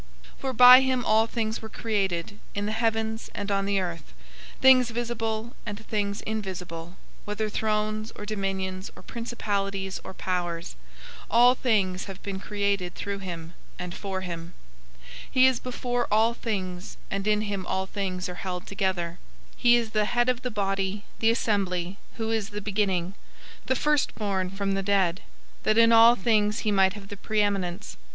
001:016 For by him all things were created, in the heavens and on the earth, things visible and things invisible, whether thrones or dominions or principalities or powers; all things have been created through him, and for him. 001:017 He is before all things, and in him all things are held together. 001:018 He is the head of the body, the assembly, who is the beginning, the firstborn from the dead; that in all things he might have the preeminence.